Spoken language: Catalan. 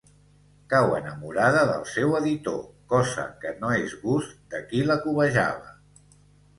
Cau enamorada del seu editor, cosa que no és gust de qui la cobejava.